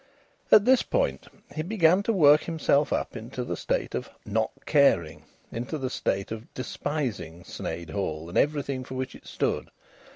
At this point he began to work himself up into the state of "not caring," into the state of despising Sneyd Hall, and everything for which it stood.